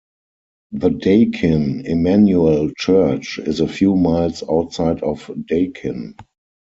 The Daykin Immanuel Church is a few miles outside of Daykin.